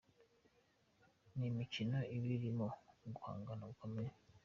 Ni imikino iba irimo uguhangana gukomeye.